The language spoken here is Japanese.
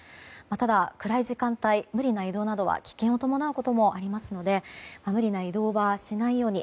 ただ、暗い時間帯無理な移動などは危険を伴うこともありますので無理な移動はしないように。